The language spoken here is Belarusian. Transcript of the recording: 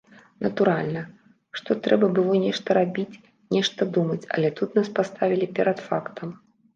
Натуральна, што трэба было нешта рабіць, нешта думаць, але тут нас паставілі перад фактам.